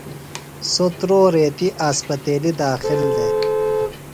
سوۡ تُرو ریتیۡ اسپتیلیۡ داخل دےۡ۔